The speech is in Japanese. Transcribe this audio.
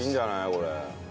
これ。